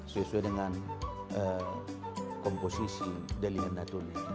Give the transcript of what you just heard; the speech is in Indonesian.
sesuai dengan komposisi dali endatunya